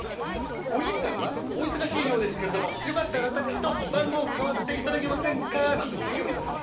『おにいさんはお忙しいようですけれどもよかったら私と番号代わっていただけませんか？』なんてこと言うんだお前。